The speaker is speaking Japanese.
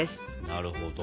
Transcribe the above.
なるほど。